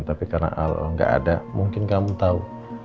tapi karena al gak ada mungkin kamu tau